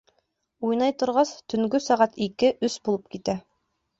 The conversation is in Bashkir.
Уйнай торғас, төнгө сәғәт ике, өс булып китә.